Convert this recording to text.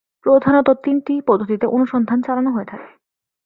প্রধানত তিনটি পদ্ধতিতে অনুসন্ধান চালানো হয়ে থাকে।